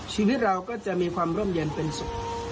ชีวิตเราก็จะมีความร่มเย็นเป็นสุข